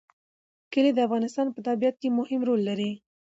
کلي د افغانستان په طبیعت کې مهم رول لري.